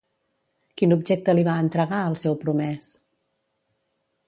Quin objecte li va entregar al seu promès?